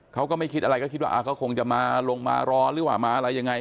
เขาก็ไม่คิดอะไรก็คิดว่าเขาคงจะมาลงมารอหรือว่ามาอะไรยังไง